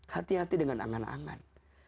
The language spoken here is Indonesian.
hati hati dengan angan angan